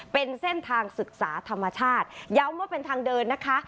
เป็นเส้นทางศึกษาธรรมชาติย้ำว่าเป็นทางเดินนะคะ